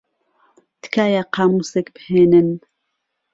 تکایە قامووسێک بھێنن.